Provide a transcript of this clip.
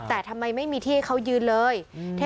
แต่ทำไมไม่มีที่ให้เขายืนเลย